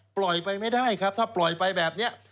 ปล่อยไปไม่ได้ครับถ้าปล่อยไปแบบนี้